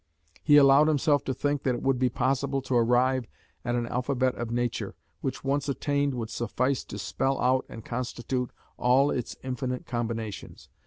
He allowed himself to think that it would be possible to arrive at an alphabet of nature, which, once attained, would suffice to spell out and constitute all its infinite combinations.